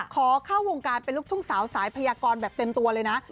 ขอเข้าวงการเป็นลูกทุ่งสาวสายพยากรแบบเต็มตัวเลยนะ